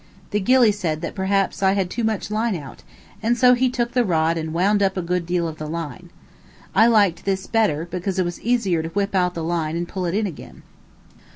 The gilly said that perhaps I had too much line out, and so he took the rod and wound up a good deal of the line. I liked this better, because it was easier to whip out the line and pull it in again.